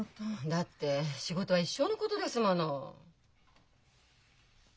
だって仕事は一生のことですもの。